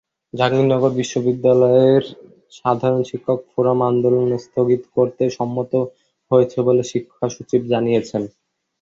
জাহাঙ্গীরনগর বিশ্ববিদ্যালয়ে সাধারণ শিক্ষক ফোরাম আন্দোলন স্থগিত করতে সম্মত হয়েছে বলে শিক্ষাসচিব জানিয়েছেন।